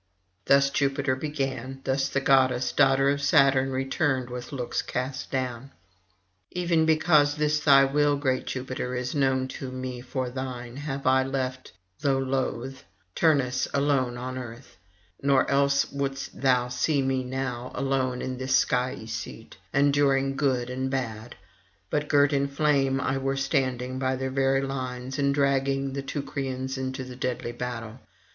Thus Jupiter began: thus the goddess, daughter of Saturn, returned with looks cast down: 'Even because this thy will, great Jupiter, is known to me for thine, have I left, though loth, Turnus alone on earth; nor else wouldst thou see me now, alone on this skyey seat, enduring good and bad; but girt in flame I were standing by their very lines, and dragging the Teucrians into the deadly battle.